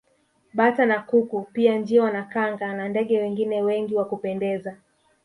Bata na kuku pia njiwa na kanga na ndege wengine wengi wa kupendeza